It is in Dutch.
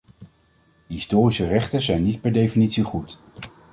Historische rechten zijn niet per definitie goed.